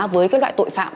với các loại tội phạm